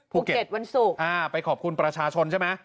ภูเก็ตวันสุขไปขอบคุณประชาชนใช่ไหม